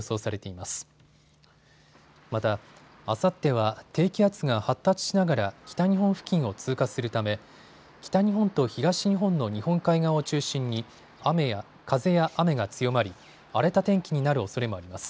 また、あさっては低気圧が発達しながら北日本付近を通過するため北日本と東日本の日本海側を中心に風や雨が強まり荒れた天気になるおそれもあります。